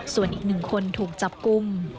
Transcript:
ส่วนอีก๑คนถูกจับกลุ่ม